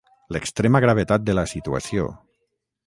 L'extrema gravetat de la situació.